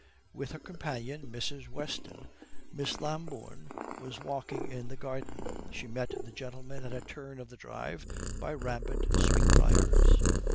With her companion, Mrs. Weston, Miss Lambourne was walking in the garden. She met the gentlemen at a turn of the drive by rampant sweetbriers.